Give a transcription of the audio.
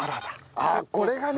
あっこれがね